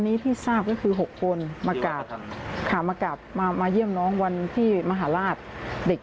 นี้ที่ทราบก็คือ๖คนมากราบมาเยี่ยมน้องวันที่มหาลาศเด็ก